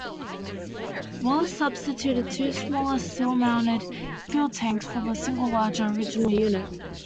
Wallace substituted two smaller, sill-mounted fuel tanks for the single larger original unit.